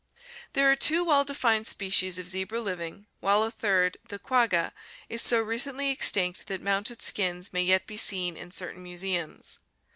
There are two well defined species of zebra living, while a third, the quagga, is so recently extinct that mounted skins may yet be seen in certain museums.